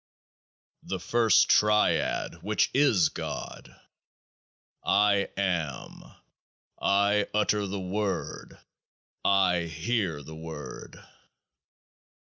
The First Triad which is GOD I AM. I utter The Word. I hear The Word.